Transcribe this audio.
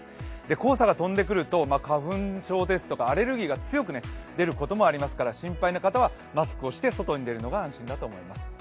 黄砂が飛んでくると、花粉症ですとか、アレルギーが強く出ることもありますから心配な方はマスクをして外に出るのが安心だと思います。